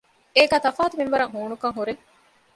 އޭގައި ތަފާތު މިންވަރަށް ހޫނުކަން ހުރޭ